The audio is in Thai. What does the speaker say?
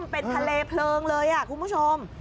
เป็นทะเลเพลิงเลยคุณผู้ชม